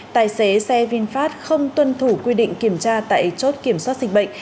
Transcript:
tài xế xe vinfast không tuân thủ quy định kiểm tra tại chốt kiểm soát dịch bệnh